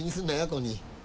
コニー。